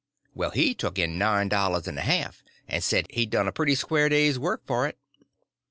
Well, he took in nine dollars and a half, and said he'd done a pretty square day's work for it.